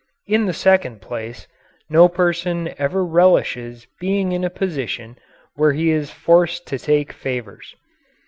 In the second place, no person ever relishes being in a position where he is forced to take favors.